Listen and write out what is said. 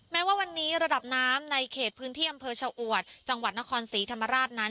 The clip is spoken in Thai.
แม้ว่าวันนี้ระดับน้ำในเขตพื้นที่อำเภอชะอวดจังหวัดนครศรีธรรมราชนั้น